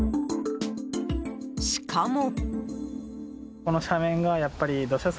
しかも。